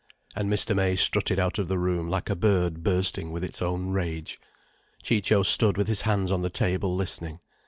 And Mr. May strutted out of the room like a bird bursting with its own rage. Ciccio stood with his hands on the table, listening.